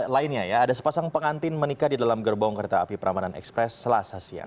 lainnya ya ada sepasang pengantin menikah di dalam gerbong kereta api perambanan ekspres selasa siang